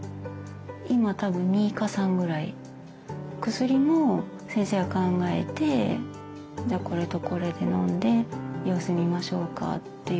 薬も先生が考えて「じゃあこれとこれでのんで様子見ましょうか」っていう。